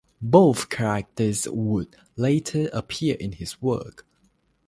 Both characters would later appear in his work.